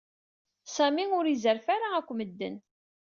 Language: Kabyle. Sami ur izerref ara akk medden.